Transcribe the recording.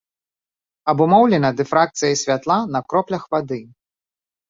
Абумоўлена дыфракцыяй святла на кроплях вады.